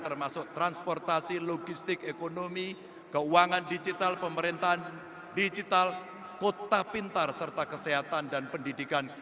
termasuk transportasi logistik ekonomi keuangan digital pemerintahan digital kota pintar serta kesehatan dan pendidikan